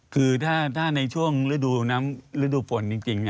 คือถ้าในช่วงฤดูฝนจริง